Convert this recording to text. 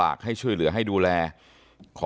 ท่านผู้ชมครับ